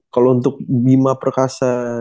kalau untuk bima perkasa